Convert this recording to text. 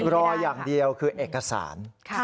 รออย่างเดียวคือเอกสาร